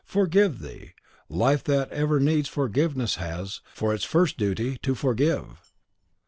Forgive thee! Life, that ever needs forgiveness, has, for its first duty, to forgive."